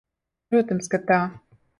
Protams, ka tā.